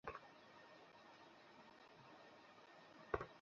এতে বিভিন্ন প্রকারের দলীল রয়েছে।